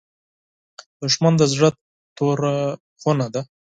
دښمن د زړه توره خونه ده